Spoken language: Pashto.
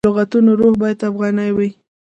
د لغتونو روح باید افغاني وي.